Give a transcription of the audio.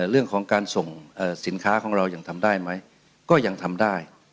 เรื่องของการส่งสินค้าของเรายังทำได้ไหมก็ยังทำได้